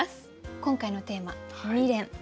今回のテーマ「未練」。